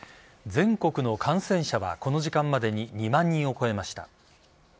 全国の感染者はこの時間までに２万人を超えました。